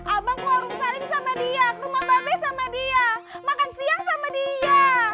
abang keluar rumah saling sama dia ke rumah babes sama dia makan siang sama dia